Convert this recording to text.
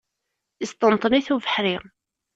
Yesṭenṭen-it ubeḥri.